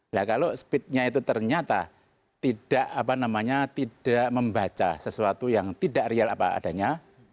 nah kalau speednya itu ternyata tidak membaca sesuatu yang tidak real apa adanya